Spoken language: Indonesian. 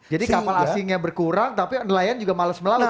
jadi kapal asingnya berkurang tapi nelayan juga males melaut